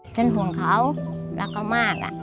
เป็นห่วงเขารักเขามาก